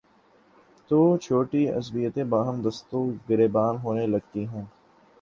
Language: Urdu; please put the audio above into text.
تو چھوٹی عصبیتیں باہم دست وگریباں ہونے لگتی ہیں۔